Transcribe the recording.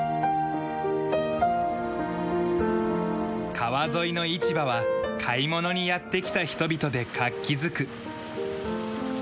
川沿いの市場は買い物にやって来た人々で活気づく。